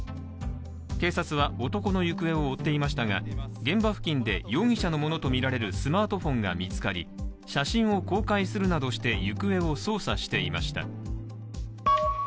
警察は男の行方を追っていましたが現場付近で容疑者のものとみられるスマートフォンが見つかり写真を公開するなどして、行方を捜査していました。